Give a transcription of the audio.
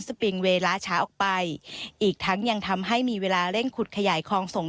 ปิงเวย์ล่าช้าออกไปอีกทั้งยังทำให้มีเวลาเร่งขุดขยายคลองส่ง